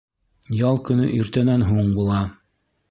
Ял көнө иртәнән һуң була.